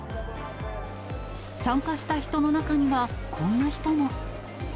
参加した人の中には、こんな人も。